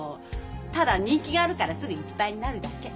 ただ人気があるからすぐいっぱいになるだけ。